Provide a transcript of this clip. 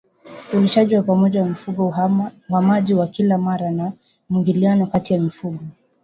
ulishaji wa pamoja wa mifugo uhamaji wa kila mara na mwingiliano kati ya mifugo